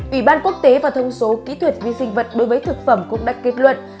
ủy ban quốc tế và thông số kỹ thuật vi sinh vật đối với thực phẩm cũng đã kết luận